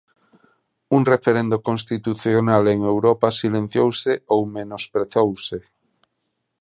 Un referendo constitucional en Europa silenciouse ou menosprezouse.